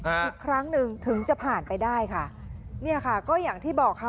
อีกครั้งหนึ่งถึงจะผ่านไปได้ค่ะเนี่ยค่ะก็อย่างที่บอกค่ะ